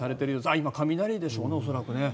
今、雷でしょうね、恐らく。